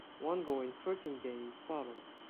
One goal in thirteen games followed.